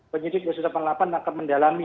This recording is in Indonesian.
penyidik dss delapan puluh delapan akan mendalami